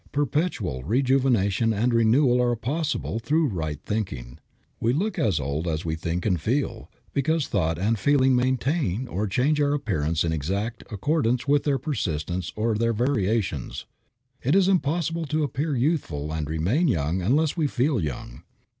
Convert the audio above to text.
Perpetual rejuvenation and renewal are possible through right thinking. We look as old as we think and feel, because thought and feeling maintain or change our appearance in exact accordance with their persistence or their variations. It is impossible to appear youthful and remain young unless we feel young.